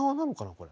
これ。